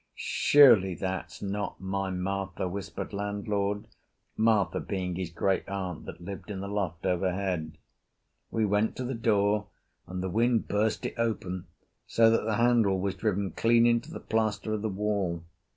"Surely that's not my Martha," whispered landlord; Martha being his great aunt that lived in the loft overhead. We went to the door, and the wind burst it open so that the handle was driven clean into the plaster of the wall.